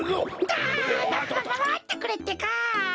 あままってくれってか！